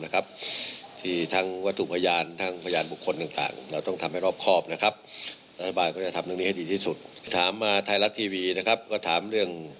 ข่านท่าไทยรัสทีวีนะครับก็ถามเรื่อง